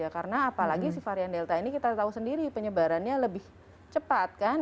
karena apalagi si varian delta ini kita tahu sendiri penyebarannya lebih cepat kan